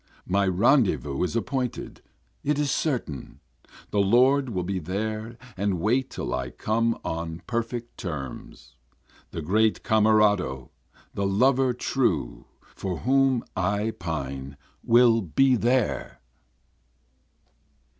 My rendezvous is appointed, it is certain, The Lord will be there and wait till I come on perfect terms, The great Camerado, the lover true for whom I pine will be there.